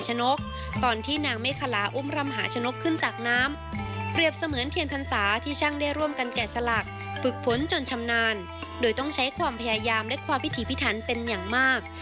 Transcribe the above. ใช้ความพยายามและความพิธีพิธันเป็นอย่างมาก